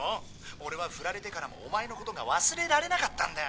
俺はフラれてからもお前のことが忘れられなかったんだ。